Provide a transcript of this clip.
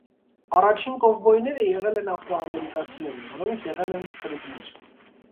Առաջին կովբոյները եղել են աֆրոամերիկացիները, որոնք եղել են ստրուկներ։